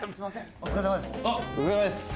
お疲れさまです。